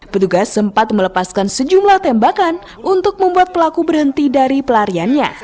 petugas sempat melepaskan sejumlah tembakan untuk membuat pelaku berhenti dari pelariannya